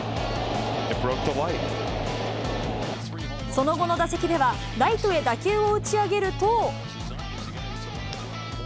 その後の打席では、ライトへ打球を打ち上げると。